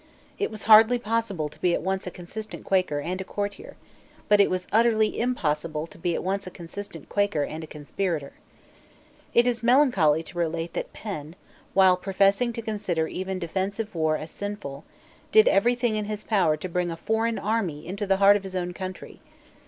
It was hardly possible to be at once a consistent Quaker and a courtier: but it was utterly impossible to be at once a consistent Quaker and a conspirator. It is melancholy to relate that Penn, while professing to consider even defensive war as sinful, did every thing in his power to bring a foreign army into the heart of his own country.